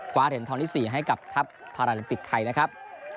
เหรียญทองที่๔ให้กับทัพพาราลิมปิกไทยนะครับ